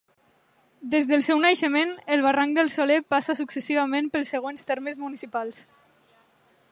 Des del seu naixement, el Barranc del Soler passa successivament pels següents termes municipals.